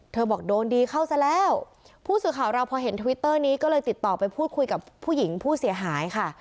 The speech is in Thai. บอกโดนดีเข้าซะแล้วผู้สื่อข่าวเราพอเห็นทวิตเตอร์นี้ก็เลยติดต่อไปพูดคุยกับผู้หญิงผู้เสียหายค่ะ